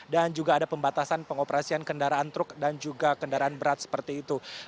juga ada pembatasan pengoperasian kendaraan truk dan juga kendaraan berat seperti itu